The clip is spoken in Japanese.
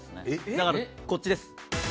だから、こっちです。